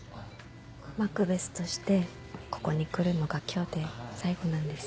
マクベスとしてここに来るのが今日で最後なんです。